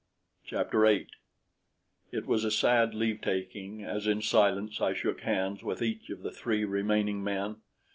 Chapter 8 It was a sad leave taking as in silence I shook hands with each of the three remaining men.